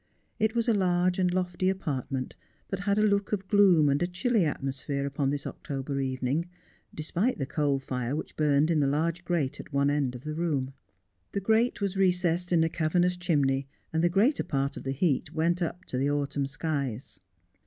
It was a large and lofty apart ment, but had a look of gloom and a chilly atmosphere upon this October evening, despite the coal fire which burned in the large grate at one end of the room. The grate was recessed in a cavernous chimney, and the greater part of the heat went up to the autumn skies.